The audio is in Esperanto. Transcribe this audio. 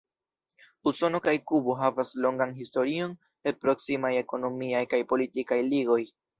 Usono kaj Kubo havas longan historion el proksimaj ekonomiaj kaj politikaj ligoj.